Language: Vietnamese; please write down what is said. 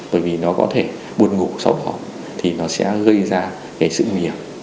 bởi vì nó có thể buồn ngủ sau đó thì nó sẽ gây ra cái sự nghiệp